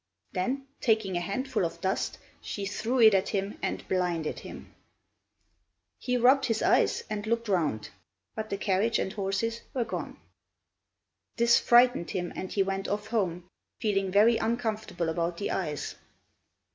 Then taking a handful of dust, she threw it at him and blinded him. He rubbed his eyes and looked round, but the carriage and horses were gone. This frightened him, and he went off home, feeling very uncomfortable about the eyes.